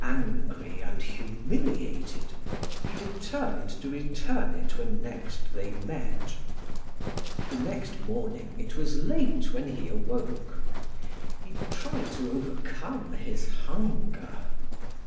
Angry and humiliated, he determined to return it when next they met. The next morning it was late when he awoke; he tried to overcome his hunger.